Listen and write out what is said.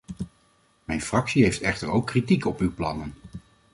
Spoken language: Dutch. Mijn fractie heeft echter ook kritiek op uw plannen.